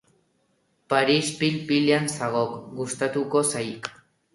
Paris pil-pilean zagok, gustatuko zaik.